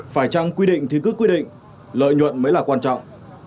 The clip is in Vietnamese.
phải chăng quy định thì cứ quy định lợi nhuận mới là quan trọng